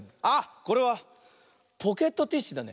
これはポケットティッシュだね。